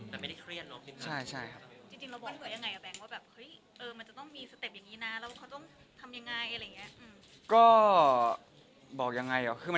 แต่ไม่ได้เครียดเนอะ